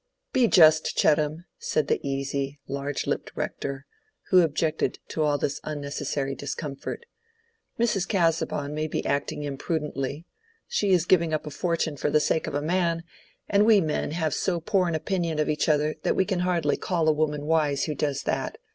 "Be just, Chettam," said the easy, large lipped Rector, who objected to all this unnecessary discomfort. "Mrs. Casaubon may be acting imprudently: she is giving up a fortune for the sake of a man, and we men have so poor an opinion of each other that we can hardly call a woman wise who does that.